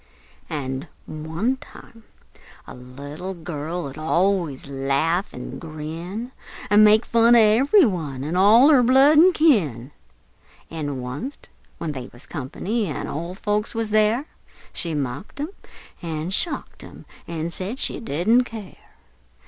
An' one time a little girl 'ud allus laugh an' grin, An' make fun of ever' one, an' all her blood an' kin; An' wunst, when they was "company," an' ole folks wuz there, She mocked 'em an' shocked 'em, an' said she didn't care!